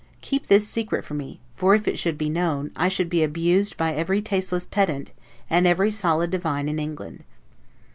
Keep this secret for me: for if it should be known, I should be abused by every tasteless pedant, and every solid divine in England.